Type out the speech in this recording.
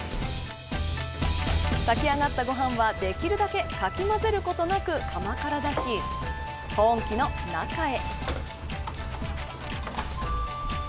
炊き上がったご飯は、できるだけかき混ぜることなく釜から出し保温機の中へ。